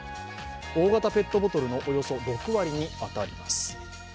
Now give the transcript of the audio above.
大型ペットボトルのおよそ６割に当たります。